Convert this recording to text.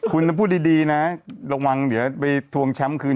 คุณจะพูดดีนะระวังเดี๋ยวไปทวงแชมป์คืน